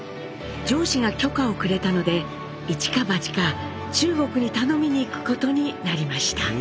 上司が許可をくれたので一か八か中国に頼みに行くことになりました。